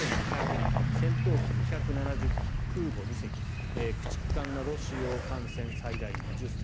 人戦闘機２７０機空母２隻駆逐艦など主要艦船最大２０隻。